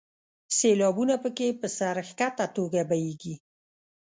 سیلابونه په کې په سر ښکته توګه بهیږي.